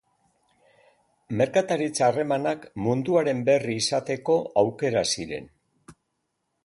Merkataritza harremanak munduaren berri izateko aukera ziren.